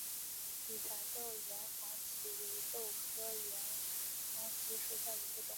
拟蚕豆岩黄耆为豆科岩黄耆属下的一个种。